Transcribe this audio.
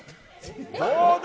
どうだ？